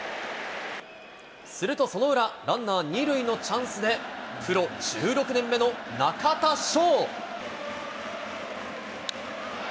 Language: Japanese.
するとその裏、ランナー２塁のチャンスで、プロ１６年目の中田翔。